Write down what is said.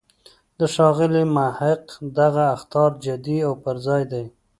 د ښاغلي محق دغه اخطار جدی او پر ځای دی.